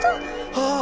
ああ！